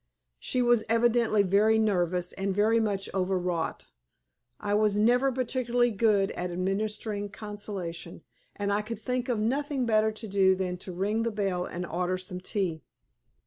She was evidently very nervous, and very much overwrought. I was never particularly good at administering consolation, and I could think of nothing better to do than to ring the bell and order some tea.